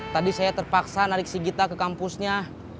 tadi saya terpaksa narik si gita ke kampusnya